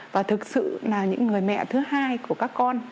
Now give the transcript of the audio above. và thực sự là những người mẹ thứ hai của các con